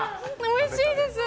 おいしいです！